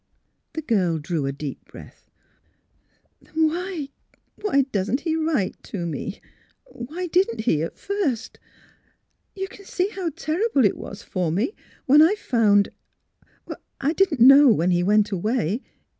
The girl drew a deep breath. '' Then, why — why doesn't he write to me? Why didn't he — at first? You can see how ter rible it was for me, when I — I found — I didn't know when he went away.